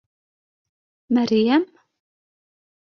Мәрйәм?